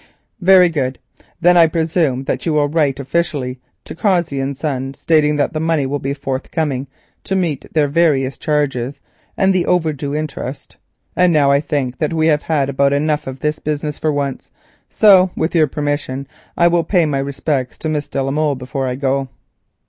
"Very good. Then I presume that you will write officially to Cossey and Son stating that the money will be forthcoming to meet their various charges and the overdue interest. And now I think that we have had about enough of this business for once, so with your permission I will pay my respects to Miss de la Molle before I go."